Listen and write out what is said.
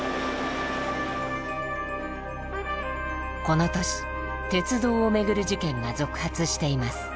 この年鉄道をめぐる事件が続発しています。